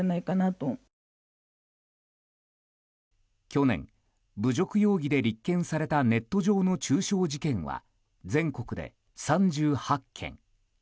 去年、侮辱容疑で立件されたネット上の中傷事件は全国で３８件。